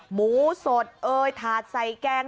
หมูสดถาดใส่แกง